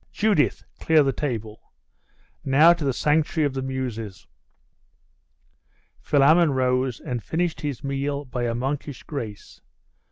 Judith! clear the table. Now to the sanctuary of the Muses!' Philammon rose, and finished his meal by a monkish grace.